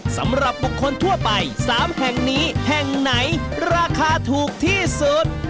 สามแห่งนี้แห่งไหนราคาถูกที่สุด